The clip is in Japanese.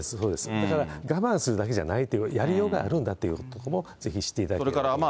だから我慢するだけじゃなくて、やりようがあるんだという、ここをぜひ知っていただきたいと思います。